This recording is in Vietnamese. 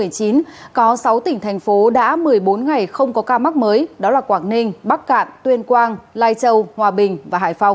có sáu tỉnh thành phố đã một mươi bốn ngày không có ca mắc mới đó là quảng ninh bắc cạn tuyên quang lai châu hòa bình và hải phòng